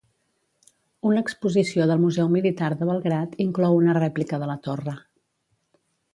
Una exposició del Museu Militar de Belgrad inclou una rèplica de la torre.